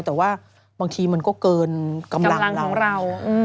แต่ว่าบางทีมันก็เกินกำลังของเรา